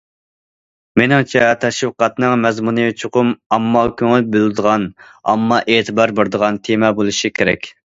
مېنىڭچە، تەشۋىقاتنىڭ مەزمۇنى چوقۇم ئامما كۆڭۈل بۆلىدىغان، ئامما ئېتىبار بېرىدىغان تېما بولۇشى كېرەك.